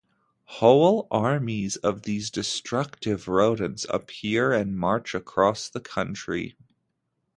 Whole armies of these destructive rodents appear and march across the country.